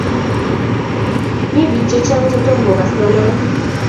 Mi bik che chang' chetom kokas ng'alek.